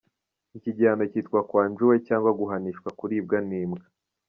Iki gihano kitwa ‘quan jue’ cyangwa guhanishwa kuribwa n’imbwa.